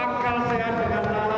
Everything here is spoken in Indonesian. yang bisa ditaksin dengan cara cara